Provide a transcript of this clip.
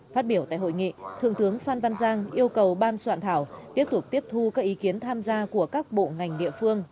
phát biểu tại hội nghị thượng tướng phan văn giang yêu cầu ban soạn thảo tiếp tục tiếp thu các ý kiến tham gia của các bộ ngành địa phương